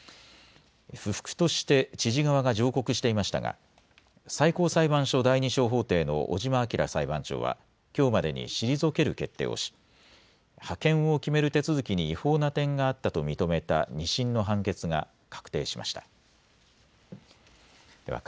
不服として知事側が上告していましたが、最高裁判所第２小法廷の尾島明裁判長は、きょうまでに退ける決定をし、派遣を決める手続きに違法な点があったと認めた２審の判決が確定しました。